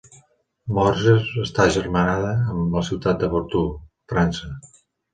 Morges està agermanada amb la ciutat de Vertou, França.